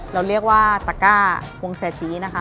เราเรียกว่าตะก้าวงแซจี้นะคะ